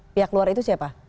pihak luar itu siapa